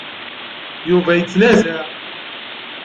Yuba yettnazaɛ.